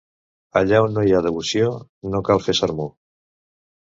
Allà on no hi ha devoció, no cal fer sermó.